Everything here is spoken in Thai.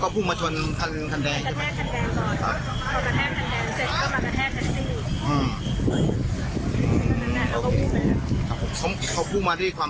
เขาพุ่งมาที่ดีกว่าความเร็วไหม